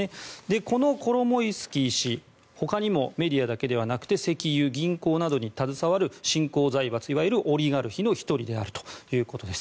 このコロモイスキー氏ほかにもメディアだけではなくて石油、銀行などに携わる新興財閥いわゆるオリガルヒの１人であるということです。